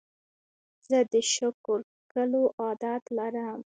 زه د شکر کښلو عادت لرم.